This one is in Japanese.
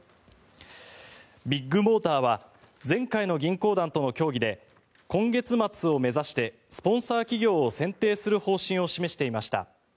ビッグモーターは前回の銀行団との協議で今月末を目指してスポンサー企業を選定する方針を示していました。